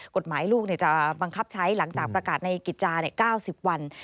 กฎหมายลูกจะบังคับใช้หลังจากประกาศในกิจจา๙๐วัน